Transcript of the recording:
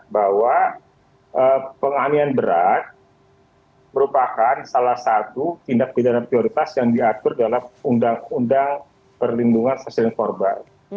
bahwa penganian berat merupakan salah satu tindak pidana prioritas yang diatur dalam undang undang perlindungan sosial korban